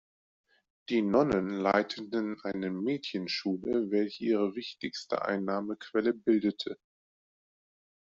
Die Nonnen leiteten eine Mädchenschule, welche ihre wichtigste Einnahmequelle bildete.